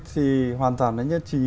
thì hoàn toàn là nhất trí